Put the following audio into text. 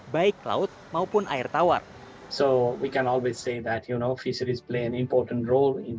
baik laut maupun air tawar